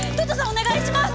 お願いします！